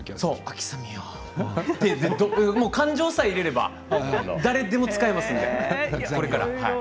アキサミヨー感情さえ入れれば誰でも使えますねこれから。